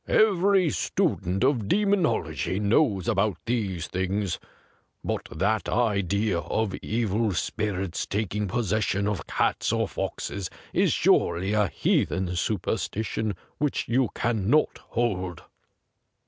Every student of demonology knows about these things. ' But that idea of evil spirits tak ing possession of cats or foxes is surely a heathen superstition which you cannot hold.'